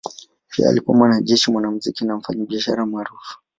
Pia alikuwa mwanajeshi, mwanamuziki na mfanyabiashara maarufu.